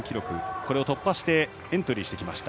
これを突破してエントリーしてきました。